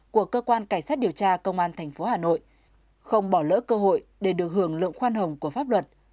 của cơ quan cảnh sát điều tra công an tp hà nội không bỏ lỡ cơ hội để được hưởng lượng khoan hồng của pháp luật